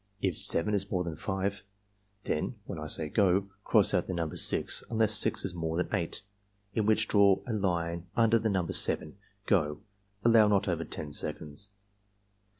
If 7 is more than 5, then (when I say 'go') cross out the number 6 unless 6 is more than 8, in which case draw a line under the number 7. — Go!" (Allow not over 10 seconds.)